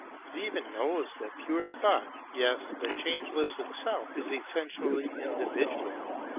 It even knows that pure thought, yes the Changeless itself, is essentially individual.